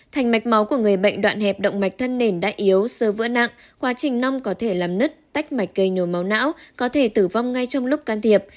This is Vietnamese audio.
thành mạch máu của người bệnh đoạn hẹp động mạch thân nền đã yếu sơ vỡ nặng quá trình nong có thể làm nứt tách mạch cây nhồi máu não có thể tử vong ngay trong lúc can thiệp